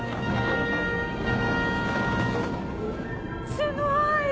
すごい！